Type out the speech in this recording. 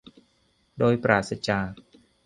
โดยปราศจาก